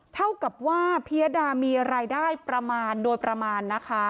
เท่ากับว่าพิยดามีรายได้ประมาณโดยประมาณนะคะ